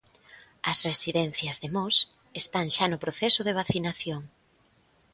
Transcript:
As residencias de Mos están xa no proceso de vacinación.